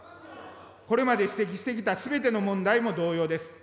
これまで指摘してきたすべての問題も同様です。